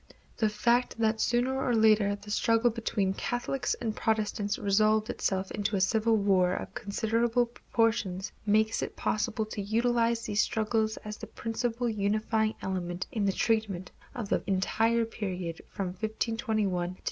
The fact that sooner or later the struggle between Catholics and Protestants resolved itself into a civil war of considerable proportions makes it possible to utilize these struggles as the principal unifying element in the treatment of the entire period from 1521 to 1648.